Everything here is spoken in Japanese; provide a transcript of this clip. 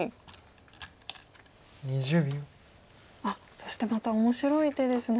そしてまた面白い手ですね。